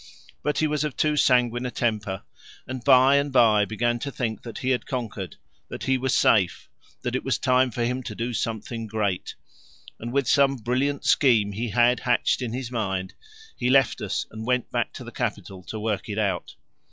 But he was of too sanguine a temper, and by and by began to think that he had conquered, that he was safe, that it was time for him to do something great; and with some brilliant scheme he had hatched in his mind, he left us and went back to the capital to work it out.